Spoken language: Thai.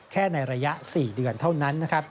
ในระยะ๔เดือนเท่านั้น